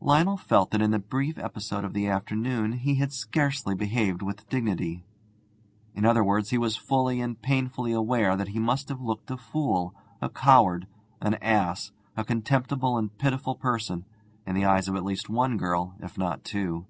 Lionel felt that in the brief episode of the afternoon he had scarcely behaved with dignity. In other words, he was fully and painfully aware that he must have looked a fool, a coward, an ass, a contemptible and pitiful person, in the eyes of at least one girl, if not of two.